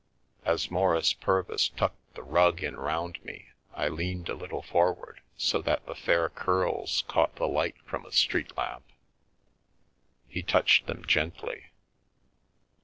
As Maurice Purvis tucked the rug in round me I leaned a little forward so that the fair curls caught the light from a street lamp. He touched them gently.